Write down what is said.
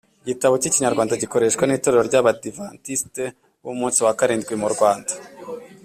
igitabo cy’ikinyarwanda gikoreshwa n’itorero ry’abadiventiste b’umunsi wa karindwi mu rwanda.